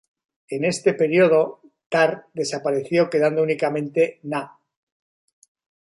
En este periodo, -tar desapareció quedando únicamente -na-